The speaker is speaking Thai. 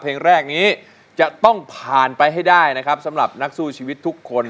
เพลงแรกนี้จะต้องผ่านไปให้ได้นะครับสำหรับนักสู้ชีวิตทุกคน